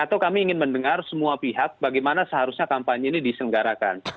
atau kami ingin mendengar semua pihak bagaimana seharusnya kampanye ini diselenggarakan